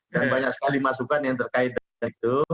dan banyak sekali masukan yang terkait dengan itu